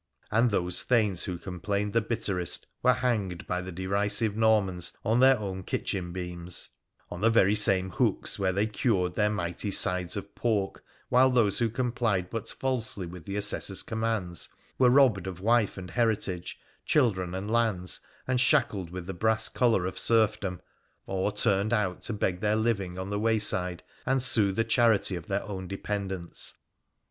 And those thanes who complained the bitterest were hanged by the derisive Normans on their own kitchen beams — on the very same hooks where they cured their mighty sides of pork — while those who complied but falsely with the assessor's commands were robbed of wife and heritage, chil dren and lands, and shackled with the brass collar of serfdom, or turned out to beg their living on the wayside and sue the charity of their own dependants.